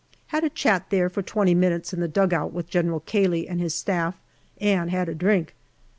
Had a chat there for twenty minutes in the dugout with General Cayley and his Staff, and had a drink.